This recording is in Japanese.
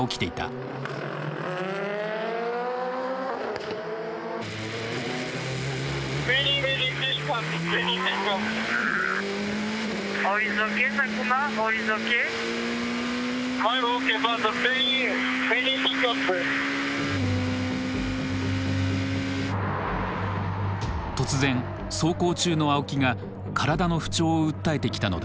突然走行中の青木が体の不調を訴えてきたのだ。